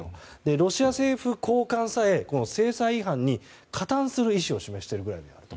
ロシア政府高官さえこの制裁違反に加担する意志を示しているぐらいだと。